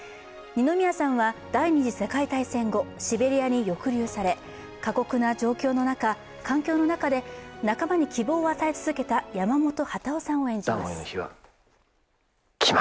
二宮さんは第二次世界大戦後、シベリアに抑留され、過酷な環境の中で仲間に希望を与え続けた山本幡男さんを演じます。